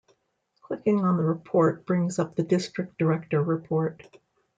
Clicking on the Report brings up the District Director report.